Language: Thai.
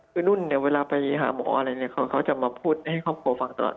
คือนู่นเวลาไปหาหมออะไรเขาจะมาพูดให้ครอบครัวฟังตลอด